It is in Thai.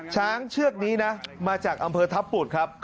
ช้างเชือกนี้นะมาจากอำเภอทัพปุดครับ